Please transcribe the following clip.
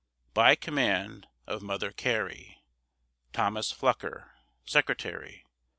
By command of MOTHER CARY, Thomas Flucker, Secretary.